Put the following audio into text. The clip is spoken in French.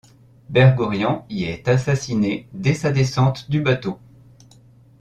Bergourian y est assassiné dès sa descente du bateau.